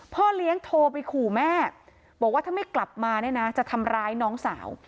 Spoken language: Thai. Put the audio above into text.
พ่อเลี้ยงโทรไปขู่แม่บอกว่าถ้าไม่กลับมาเนี่ยนะจะทำร้ายน้องสาว